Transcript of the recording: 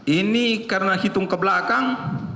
ini karena hitung ke belakang